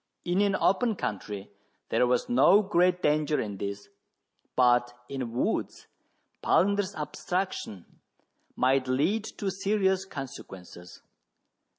In an open country there was no great danger in this, but in woods Palander's abstraction might lead to serious consequences.